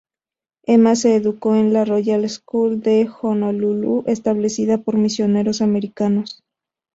Emma se educó en la Royal School de Honolulu, establecida por misioneros americanos.